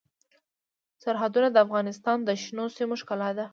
سرحدونه د افغانستان د شنو سیمو ښکلا ده.